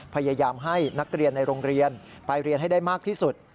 พยายามให้นักเรียนในโรงเรียนไปเรียนให้ได้มากที่สุด